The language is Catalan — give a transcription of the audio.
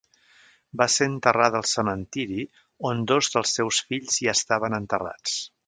Va ser enterrada al cementiri on dos dels seus fills ja estaven enterrats.